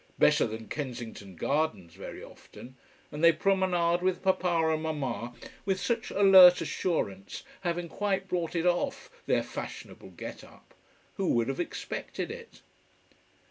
Better than Kensington Gardens very often. And they promenade with Papa and Mama with such alert assurance, having quite brought it off, their fashionable get up. Who would have expected it?